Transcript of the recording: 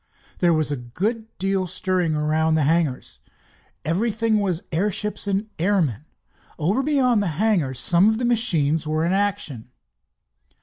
There was a good deal stirring around the hangars. Everything was airships and airmen. Over beyond the hangars some of the machines were in action.